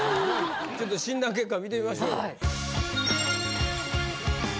ちょっと診断結果見てみましょう。